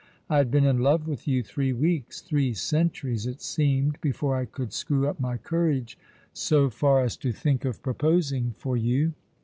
I bad been in love with you three weeks — three centuries it seemed — before I could screw up my courage so far as to think of proposing for you.